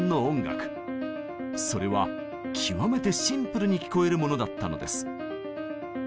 それは極めてシンプルに聞こえるものだったのです。